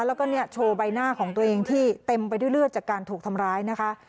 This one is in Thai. แล้วก็โชว์ใบหน้าของตัวเองที่เต็มไปด้วยเลือดจากการถูกทำร้ายนะคะ